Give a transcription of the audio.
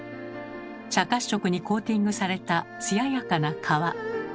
茶褐色にコーティングされた艶やかな皮。